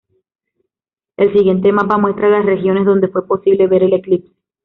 El siguiente mapa muestra las regiones donde fue posible ver el eclipse.